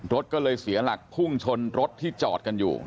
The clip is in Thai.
รถก็เลยเสียหลักพุ่งชนรถที่จอดกันอยู่